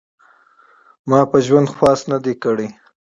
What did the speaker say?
ما په ژوند خواست نه دی کړی .